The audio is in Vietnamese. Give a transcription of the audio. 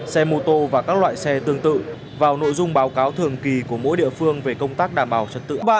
xe mô tô và các loại xe tương tự vào nội dung báo cáo thường kỳ của mỗi địa phương về công tác đảm bảo trật tự